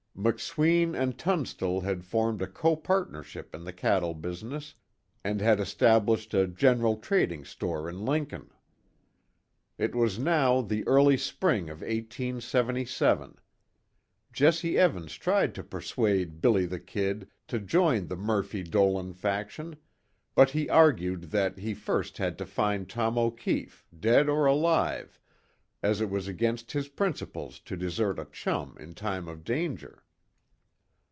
McSween and Tunstall had formed a co partnership in the cattle business, and had established a general trading store in Lincoln. It was now the early spring of 1877. Jesse Evans tried to persuade "Billy the Kid" to join the Murphy Dolan faction, but he argued that he first had to find Tom O'Keefe, dead or alive, as it was against his principles to desert a chum in time of danger.